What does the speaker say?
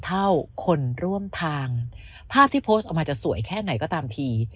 เท่าคนร่วมทางภาพที่โพสต์ออกมาจะสวยแค่ไหนก็ตามที